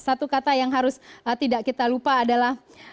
satu kata yang harus tidak kita lupa adalah